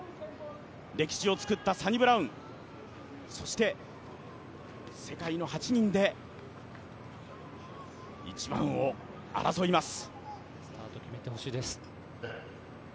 歴史を作ったサニブラウン、そして世界の８人で１番を争います。